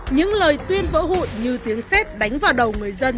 những lời tuyên vỡ hụi như tiếng xếp đánh vào đầu người dân